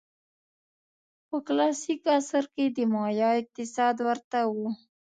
په کلاسیک عصر کې د مایا اقتصاد ورته و.